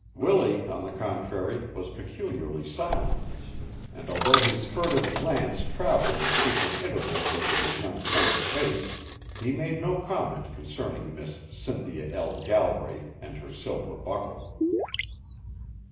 Willie, on the contrary, was peculiarly silent, and although his furtive glance traveled at frequent intervals over his young friend's face, he made no comment concerning Miss Cynthia L. Galbraith and her silver buckle.